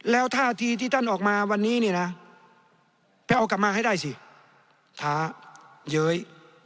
แล้วท่าทีที่ท่านออกมาวันนี้เนี่ยนะไปเอากลับมาให้ได้สิท้าเย้ย